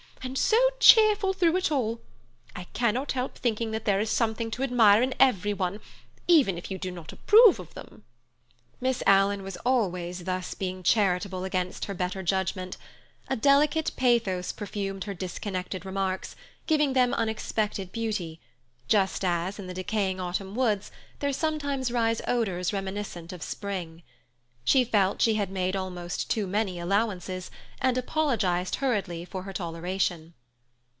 And so cheerful through it all! I cannot help thinking that there is something to admire in everyone, even if you do not approve of them." Miss Alan was always thus being charitable against her better judgement. A delicate pathos perfumed her disconnected remarks, giving them unexpected beauty, just as in the decaying autumn woods there sometimes rise odours reminiscent of spring. She felt she had made almost too many allowances, and apologized hurriedly for her toleration.